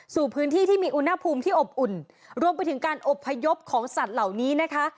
สู่พื้นที่ที่มีอุณหภูมิที่อบอุ่นรวมไปถึงการอบพยพของสัตว์เหล่านี้นะคะ